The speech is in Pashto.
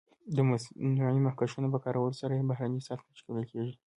د مصنوعي مخکشونو په کارولو سره یې بهرنۍ سطح ښکلې کېږي.